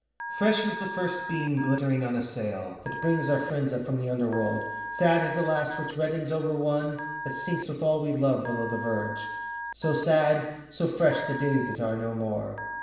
Fresh as the first beam glittering on a sail, That brings our friends up from the underworld, Sad as the last which reddens over one That sinks with all we love below the verge; So sad, so fresh, the days that are no more.